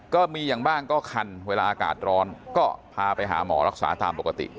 ก็มีอย่างบ้างก็คันเวลาอากาศร้อนก็พาไปหาหมอรักษาตามปกติ